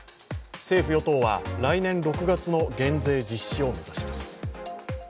政府・与党は来年６月の減税実施を目指します。